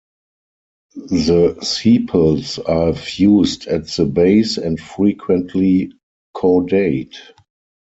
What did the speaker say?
The sepals are fused at the base and frequently caudate.